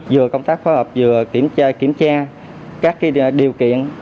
vừa công tác phó hợp vừa kiểm tra các điều kiện